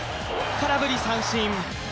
空振り三振。